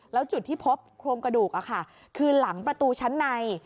แล้วจุดที่พบโครงกระดูกคือหลังประตูชั้นใน